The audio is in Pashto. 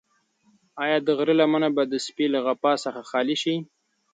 ایا د غره لمنه به د سپي له غپا څخه خالي شي؟